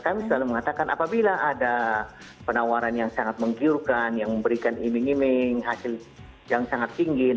kami selalu mengatakan apabila ada penawaran yang sangat menggiurkan yang memberikan iming iming hasil yang sangat tinggi